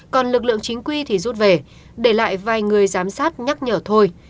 còn lực lượng chính quy thì rút về để lại vài người giám sát nhắc nhở thôi